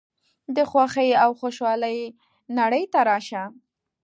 د خوښۍ او خوشحالۍ نړۍ ته راشه.